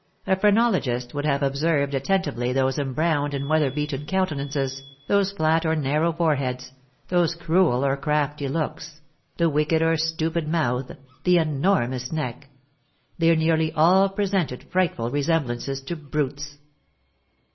A phrenologist would have observed attentively those embrowned and weather beaten countenances, those flat or narrow foreheads, those cruel or crafty looks, the wicked or stupid mouth, the enormous neck, they nearly all presented frightful resemblances to brutes.